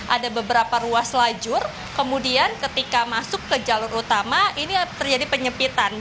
ada beberapa ruas lajur kemudian ketika masuk ke jalur utama ini terjadi penyepitan